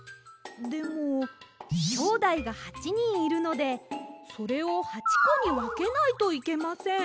でもきょうだいが８にんいるのでそれを８こにわけないといけません。